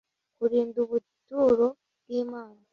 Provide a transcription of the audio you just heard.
kurinda ubuturo bw imana